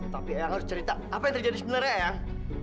tapi eyang harus cerita apa yang terjadi sebenarnya eyang